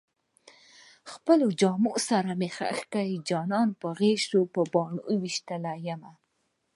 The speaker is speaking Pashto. خپلو جامو سره مې خښ کړئ جانان په غشو د بڼو ويشتلی يمه